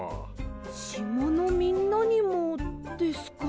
しまのみんなにもですか？